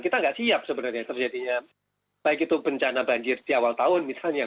kita nggak siap sebenarnya terjadinya baik itu bencana banjir di awal tahun misalnya